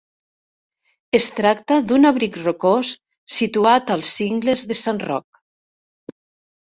Es tracta d'un abric rocós situat als cingles de Sant Roc.